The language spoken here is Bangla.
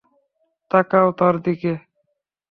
তাকাও তার দিকে।